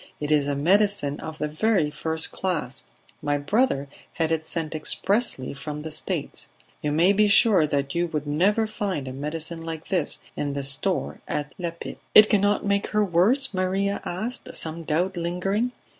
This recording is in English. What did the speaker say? It is a medicine of the very first class; my brother had it sent expressly from the States. You may be sure that you would never find a medicine like this in the store at La Pipe." "It cannot make her worse?" Maria asked, some doubt lingering.